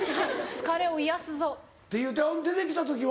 「疲れを癒やすぞ」。って言うて出てきた時は？